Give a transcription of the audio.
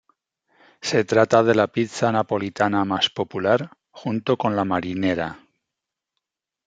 Se trata de la pizza napolitana más popular, junto con la marinera.